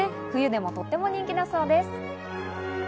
冬でもとても人気だそうです。